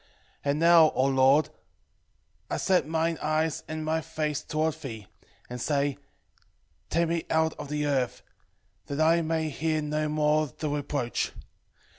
3:12 And now, O Lord, I set I mine eyes and my face toward thee, 3:13 And say, Take me out of the earth, that I may hear no more the reproach.